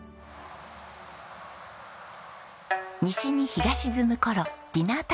西に日が沈む頃ディナータイムです。